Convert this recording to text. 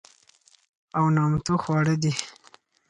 او نامتو خواړه دي،